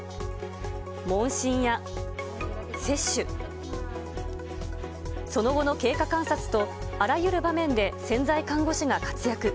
問診や接種、その後の経過観察と、あらゆる場面で潜在看護師が活躍。